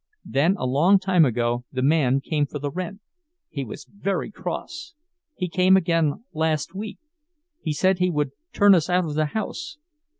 Then a long time ago the man came for the rent. He was very cross. He came again last week. He said he would turn us out of the house.